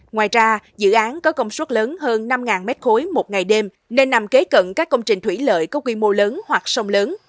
ngoài ra dự án có công suất lớn hơn năm m ba một ngày đêm nên nằm kế cận các công trình thủy lợi có quy mô lớn hoặc sông lớn